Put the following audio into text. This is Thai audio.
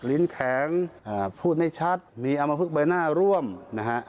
ลิ้นแข็งพูดไม่ชัดมีอมพึกใบหน้าร่วมนะฮะ